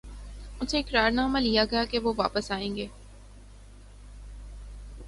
ان سے اقرار نامہ لیا گیا کہ وہ واپس آئیں گے۔